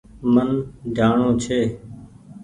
من جآڻونٚ ڇي